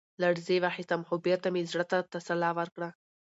لـړزې واخيسـتم ، خـو بـېرته مـې زړه تـه تـسلا ورکړه.